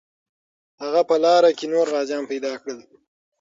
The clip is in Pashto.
هغه په لاره کې نور غازیان پیدا کړل.